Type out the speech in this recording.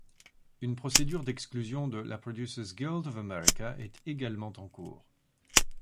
Une procédure d'exclusion de la Producers Guild of America est également en cours.